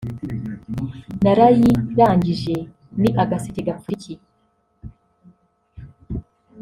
narayirangije ni agaseke gapfundikiye